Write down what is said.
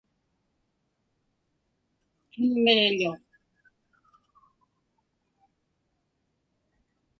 qimmiġḷu